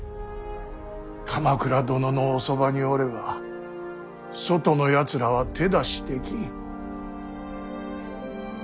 鎌倉殿のおそばにおれば外のやつらは手出しできん。